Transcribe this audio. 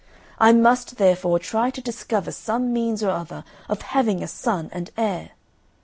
I must therefore try to discover some means or other of having a son and heir.